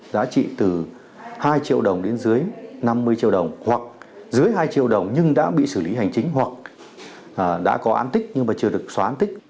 giá trị từ hai triệu đồng đến dưới năm mươi triệu đồng hoặc dưới hai triệu đồng nhưng đã bị xử lý hành chính hoặc đã có án tích nhưng mà chưa được xóa án tích